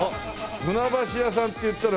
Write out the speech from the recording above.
船橋屋さんっていったらくず餅。